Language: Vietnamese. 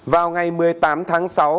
vào ngày một mươi tám tháng sáu